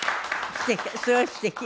すごいすてき。